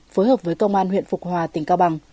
phối hợp với công an huyện phục hòa tỉnh cao bằng